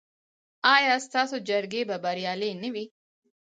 ایا ستاسو جرګې به بریالۍ نه وي؟